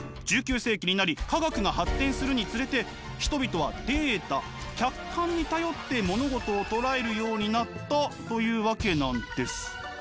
１９世紀になり科学が発展するにつれて人々はデータ客観に頼って物事をとらえるようになったというわけなんです。